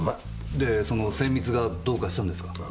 でそのせんみつがどうかしたんですか？